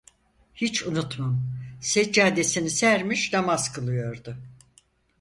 Hiç unutmam, seccadesini sermiş, namaz kılıyordu.